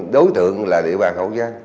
đối thượng là địa bàn hậu giang